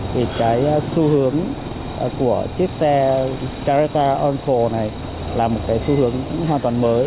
thì cái xu hướng của chiếc xe caretta anco này là một cái xu hướng hoàn toàn mới